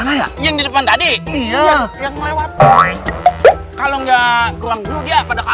lha buat apa